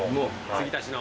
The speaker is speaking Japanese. つぎ足しの？